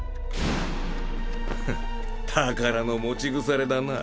ふっ宝の持ち腐れだな。